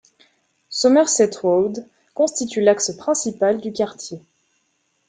Somerset Road constitue l'axe principal du quartier.